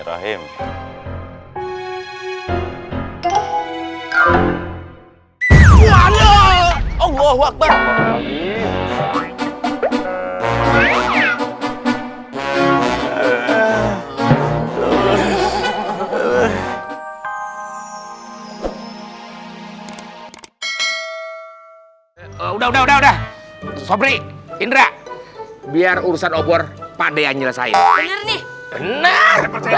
udah udah udah udah sobring indra biar urusan obor pada nyelesai ini enak